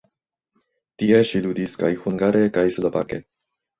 Tie ŝi ludis kaj hungare kaj slovake.